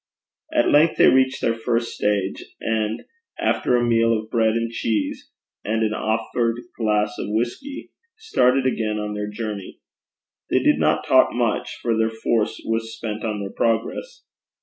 At length they reached their first stage, and after a meal of bread and cheese and an offered glass of whisky, started again on their journey. They did not talk much, for their force was spent on their progress.